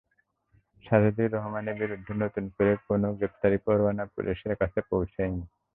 সাজেদুর রহমানের বিরুদ্ধে নতুন করে কোনো গ্রেপ্তারি পরোয়ানা পুলিশের কাছে পৌঁছায়নি।